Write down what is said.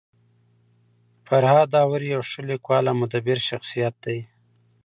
فرهاد داوري يو ښه لیکوال او مدبر شخصيت دی.